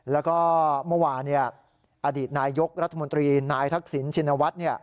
แล้วก็เมื่อวานอดีตนายกรัฐมนตรีนายทักษิณชินวัฒน์